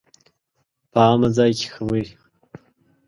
په عامه ځای کې خبرې